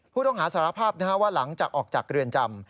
ผู้ต้องหาสารภาพว่าหลังจากออกจากเรือนจำ